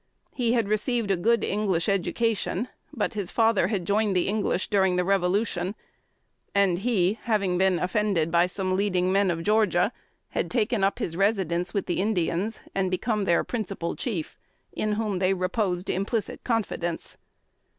He had received a good English education; but his father had joined the English during the Revolution, and he, having been offended by some leading men of Georgia, had taken up his residence with the Indians and become their principal chief, in whom they reposed implicit confidence.